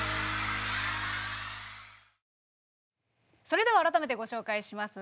それでは改めてご紹介します。